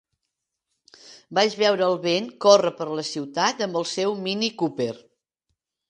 Vaig veure el Ben córrer per la ciutat amb el seu Mini Cooper.